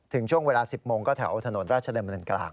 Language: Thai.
ถึงช่วงเวลา๑๐โมงก็แถวถนนราชดำเนินกลาง